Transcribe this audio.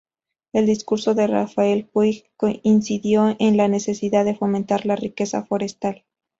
El discurso de Rafael Puig incidió en la necesidad de fomentar la riqueza forestal.